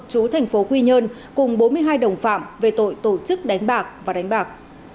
chú thành phố quy nhơn cùng bốn mươi hai đồng phạm về tội tổ chức đánh bạc và đánh bạc